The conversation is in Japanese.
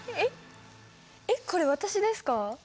えっこれ私ですか？